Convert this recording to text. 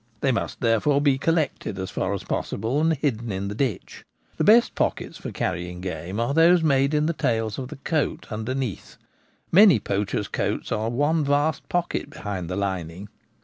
They must therefore be collected as far as possible, and hidden in the ditch. The best pockets for carrying L 2 148 The Gamukapar at Home game are those made in die tafls of die coat, under neath: many poachers' coats are one vast pocket behind die lining.